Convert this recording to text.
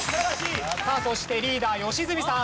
さあそしてリーダー良純さん。